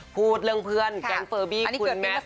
พูดเรื่องเพื่อนแก๊งเฟอร์บี้คุณแมท